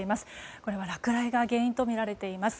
これは落雷が原因とみられています。